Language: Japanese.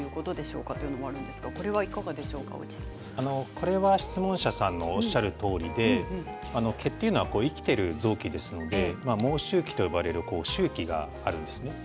これは質問者さんのおっしゃるとおりで毛というのは生きている臓器ですので毛周期と呼ばれる周期があります。